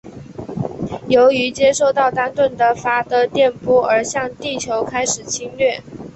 由于接受到丹顿的发的电波而向地球开始侵略。